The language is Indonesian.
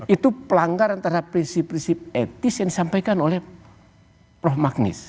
itu pelanggaran terhadap prinsip prinsip etis yang disampaikan oleh prof magnis